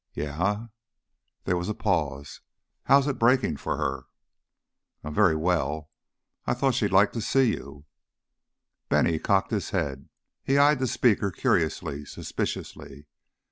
"Yeah?" There was a pause. "How's it breaking for her?" "Um m, very well. I thought she'd like to see you." Bennie cocked his head, he eyed the speaker curiously, suspiciously.